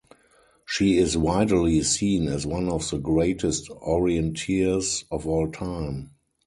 She is widely seen as one of the greatest orienteers of all time.